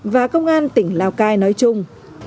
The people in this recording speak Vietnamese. và công an tỉnh lào cai nói chung